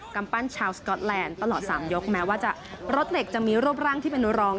กำปั้นชาวสก๊อตแลนด์ตลอด๓ยกแม้ว่ารถเหล็กจะมีรูปร่างที่เป็นรอง